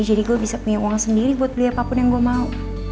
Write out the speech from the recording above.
jadi gue bisa punya uang sendiri buat beli apapun yang gue mau